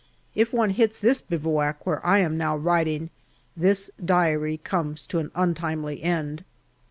If one hits this bivouac where I am now writing, this Diary comes to an untimely end.